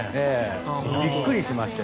びっくりしました。